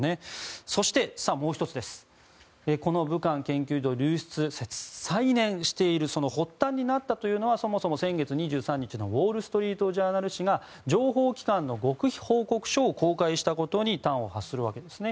そして、武漢研究所流出説が再燃しているその発端になったのはそもそも先月２３日のウォール・ストリート・ジャーナル紙が情報機関の極秘報告書を公開したことに端を発するわけですね。